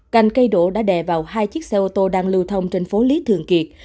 cành cây đổ đã đè vào hai chiếc xe ô tô đang lưu thông trên phố lý thường kiệt